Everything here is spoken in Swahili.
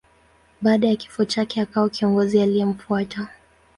Baada ya kifo chake akawa kiongozi aliyemfuata.